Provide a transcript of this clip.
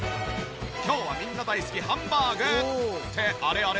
今日はみんな大好きハンバーグ！ってあれあれ？